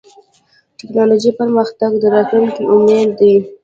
د ټکنالوجۍ پرمختګ د راتلونکي امید دی.